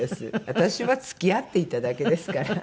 私は付き合っていただけですから。